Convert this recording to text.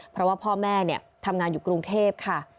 เพราะว่าพ่อแม่ทำงานอยู่กรุงเทพค่ะ